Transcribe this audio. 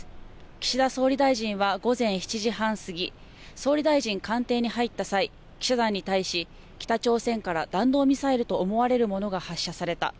岸田総理大臣は、午前７時半過ぎ、総理大臣官邸に入った際、記者団に対し、北朝鮮から弾道ミサイルと思われるものが発射された。